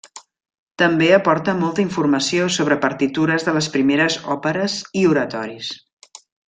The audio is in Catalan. També aporta molta informació sobre partitures de les primeres òperes i oratoris.